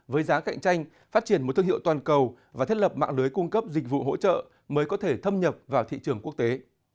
với giá cạnh tranh phát triển một thương hiệu toàn cầu và thiết lập mạng lưới cung cấp dịch vụ hỗ trợ mới có thể thâm nhập vào thị trường quốc tế